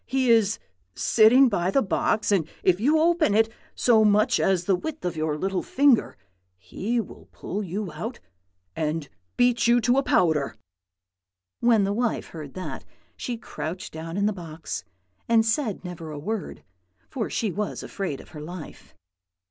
He is sitting by the box, and if you open it so much as the width of your little finger, he will pull you out and beat you to powder.' "When the wife heard that she crouched down in the box, and said never a word, for she was afraid of her life.